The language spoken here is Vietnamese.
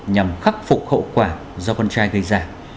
nhằm khắc phục hậu quả do con trai gây ra